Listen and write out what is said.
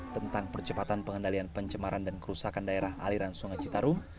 tentang percepatan pengendalian pencemaran dan kerusakan daerah aliran sungai citarum